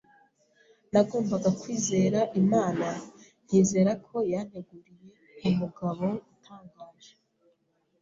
Nagombaga kwizera Imana, nkizera ko yanteguriye umugabo utangaje